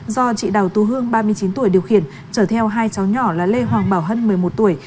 do chị đào tú hương ba mươi chín tuổi điều khiển chở theo hai cháu nhỏ là lê hoàng bảo hân một mươi một tuổi